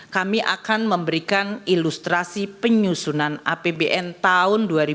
kami akan memberikan ilustrasi penyusunan apbn tahun dua ribu dua puluh